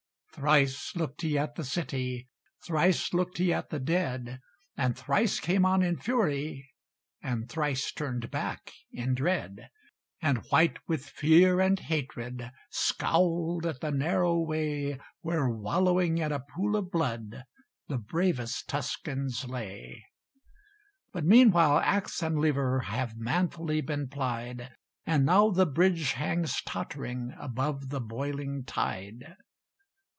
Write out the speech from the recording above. Thrice looked he at the city; Thrice looked he at the dead; And thrice came on in fury, And thrice turned back in dread: And, white with fear and hatred, Scowled at the narrow way Where, wallowing in a pool of blood, The bravest Tuscans lay. But meanwhile axe and lever Have manfully been plied; And now the bridge hangs tottering Above the boiling tide.